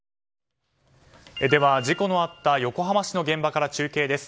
では、事故のあった横浜市の現場から中継です。